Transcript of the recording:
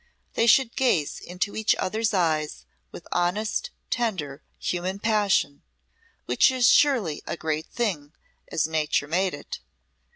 "They should gaze into each other's eyes with honest, tender human passion, which is surely a great thing, as nature made it.